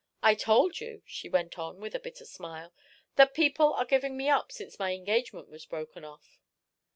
I told you," she went on, with a bitter smile, "that people are giving me up since my engagement was broken off."